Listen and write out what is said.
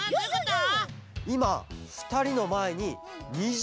いまふたりのまえに２０